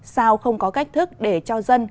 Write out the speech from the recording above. sao không có cách thức để cho dân